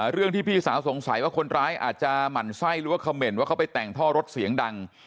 เรื่องที่พี่สาวสงสัยว่าคนร้ายอาจจะหมั่นไส้หรือว่าเขม่นว่าเขาไปแต่งท่อรถเสียงดัง